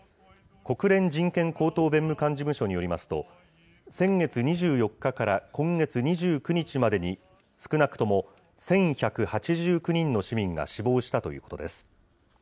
国連人権高等弁務官事務所によりますと、先月２４日から今月２９日までに、少なくとも１１８９人の市民が死亡したということです。